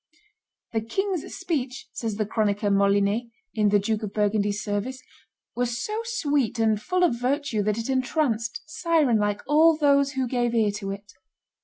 "The king's speech," says the chronicler Molinet, in the Duke of Burgundy's service, "was so sweet and full of virtue that it entranced, siren like, all those who gave ear to it."